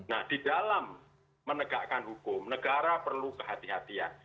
nah di dalam menegakkan hukum negara perlu kehatian